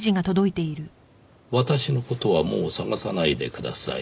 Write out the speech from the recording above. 「私のことはもう探さないでください」